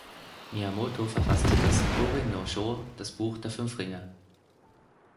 Miyamoto verfasste das "Gorin no Sho", das Buch der fünf Ringe.